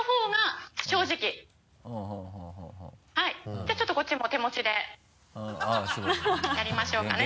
じゃあちょっとこっちも手持ちでやりましょうかね。